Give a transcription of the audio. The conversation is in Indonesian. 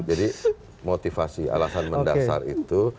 jadi motivasi alasan mendasar itu